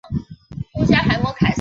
首府卢茨克。